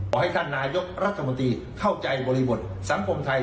ให้ท่านนายกรัฐมนตรีเข้าใจบริบทสังคมไทย